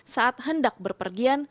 saat hendak berpergian